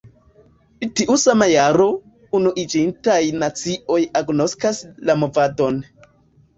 Tiu sama jaro, Unuiĝintaj Nacioj agnoskas la movadon.